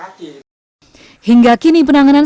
hingga kini penanganan serangan siber ini tidak terlalu banyak